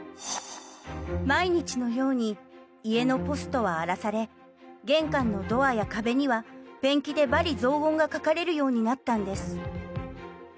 毎日のように家のポストは荒らされ玄関のドアや壁にはペンキで罵詈雑言が書かれるようになったんです。